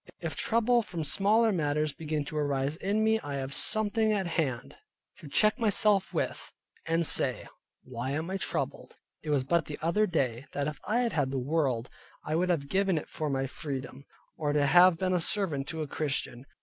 If trouble from smaller matters begin to arise in me, I have something at hand to check myself with, and say, why am I troubled? It was but the other day that if I had had the world, I would have given it for my freedom, or to have been a servant to a Christian.